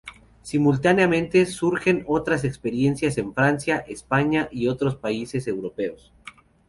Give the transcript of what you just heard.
Simultáneamente surgen otras experiencias en Francia, España y otros países europeos.